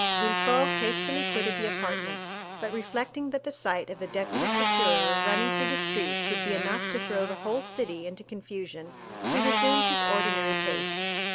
Villefort hastily quitted the apartment, but reflecting that the sight of the deputy procureur running through the streets would be enough to throw the whole city into confusion, he resumed his ordinary pace.